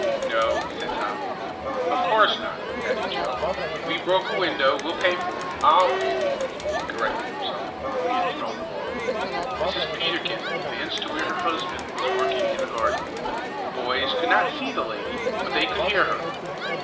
"No," said Tom. "Of course not," added Joe. "If we broke a window we'll pay for it I'll pay for it," he corrected himself, for he had thrown the ball. Mrs. Peterkin advanced to where her husband was working in the garden. The boys could not see the lady but they could hear her.